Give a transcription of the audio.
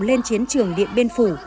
lên chiến trường điện biên phủ